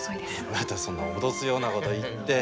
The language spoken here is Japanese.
またそんな脅すようなごど言って。